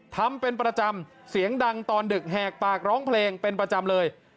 ทำเป็นประจำเสียงดังตอนดึกแหกปากร้องเพลงเป็นประจำเลย